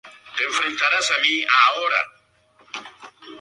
Luego, comenzó a estudiar teatro en la Escuela de Teatro de Fernando González.